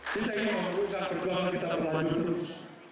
kita ingin memerlukan perjuangan kita berlanjut terus